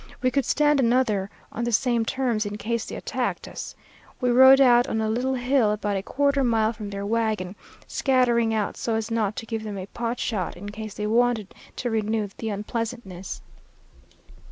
We could stand another on the same terms in case they attacked us. We rode out on a little hill about a quarter mile from their wagon, scattering out so as not to give them a pot shot, in case they wanted to renew the unpleasantness.